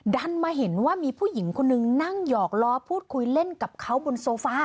ดันมาเห็นว่ามีผู้หญิงคนนึงนั่งหยอกล้อพูดคุยเล่นกับเขาบนโซฟา